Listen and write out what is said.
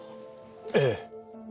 ええ。